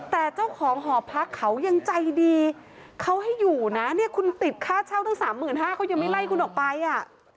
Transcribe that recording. แต่เจ้าของหอพักเขายังใจดีเขาให้อยู่นะคุณติดค่าเช่าตั้ง๓๕๐๐๐บาทเขายังไม่ไล่คุณออกไปอะ